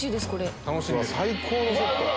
最高のセット！